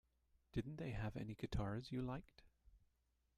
Didn't they have any guitars you liked?